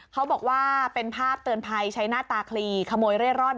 เขาบอกว่าเป็นภาพเตือนภัยใช้หน้าตาคลีขโมยเร่ร่อน